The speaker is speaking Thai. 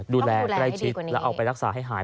ดูแลใกล้ชิดแล้วเอาไปรักษาให้หาย